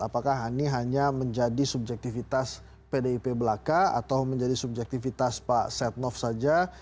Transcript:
apakah ini hanya menjadi subjektivitas pdip belaka atau menjadi subjektivitas pak setnov saja